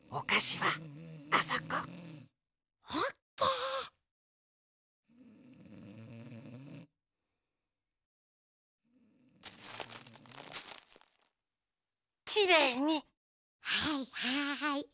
はいはい。